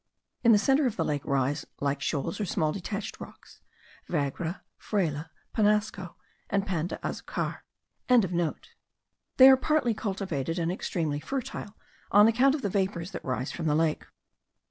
In the centre of the lake rise, like shoals or small detached rocks, Vagre, Fraile, Penasco, and Pan de Azucar.) They are partly cultivated, and extremely fertile on account of the vapours that rise from the lake.